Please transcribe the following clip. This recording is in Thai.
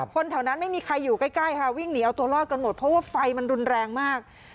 คนแถวนั้นไม่มีใครอยู่ใกล้ค่ะวิ่งหนีเอาตัวรอดกันหมดเพราะว่าไฟมันรุนแรงมาก